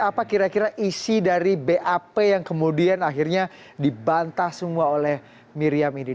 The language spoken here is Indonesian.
apa kira kira isi dari bap yang kemudian akhirnya dibantah semua oleh miriam ini